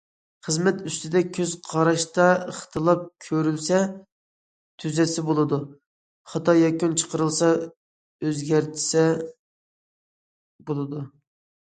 خىزمەت ئۈستىدە كۆز قاراشتا ئىختىلاپ كۆرۈلسە تۈزەتسە بولىدۇ، خاتا يەكۈن چىقىرىلسا ئۆزگەرتسە بولىدۇ.